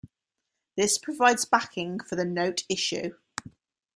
This provides backing for the note issue.